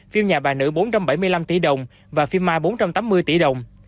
phim nhà bà nữ bốn trăm bảy mươi năm tỷ đồng và phim mai bốn trăm tám mươi tỷ đồng